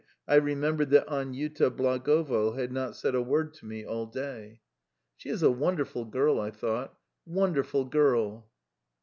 .. I remembered that Aniuta Blagavo had said not a single word to me all day. "A wonderful girl !" I thought. "A wonderful girl."